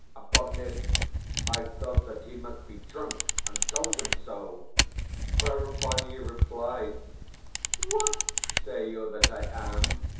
Upon this I thought that he must be drunk, and told him so; whereupon he replied: "WHAT say you that I am?